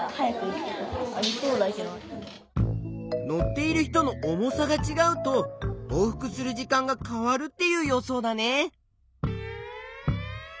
乗っている人の重さがちがうと往復する時間が変わるっていう予想だね。